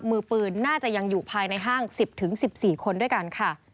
มือปืนน่าจะยังอยู่ภายในห้าง๑๐๑๔คนด้วยกันค่ะ